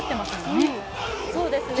そうですね。